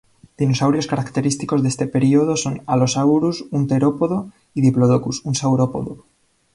Dinosaurios característicos de este período son "Allosaurus", un terópodo, y "Diplodocus", un saurópodo.